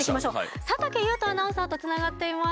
佐竹祐人アナウンサーとつながっています。